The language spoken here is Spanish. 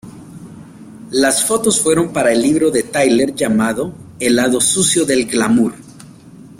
Las fotos fueron para el libro de Tyler llamado "El lado sucio del glamour".